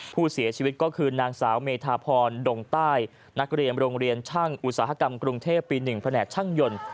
ผู้เสียชีวิตก็คือนางสาวเมธาพรดงใต้นักเรียนโรงเรียนช่างอุตสาหกรรมกรุงเทพปี๑แผนกช่างยนต์